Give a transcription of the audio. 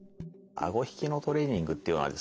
あご引きのトレーニングっていうのはですね